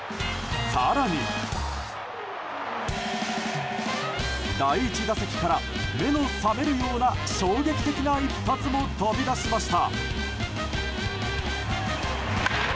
更に、第１打席から目の覚めるような衝撃的な一発も飛び出しました。